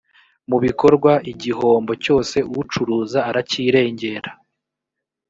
mu bikorwa igihombo cyose ucuruza aracyirengera